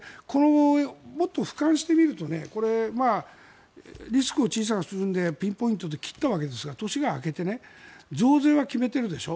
もっとふかんしてみるとリスクを小さくするのでピンポイントで切ったわけですが年が明けて増税は決めているでしょう。